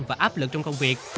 và áp lực trong công việc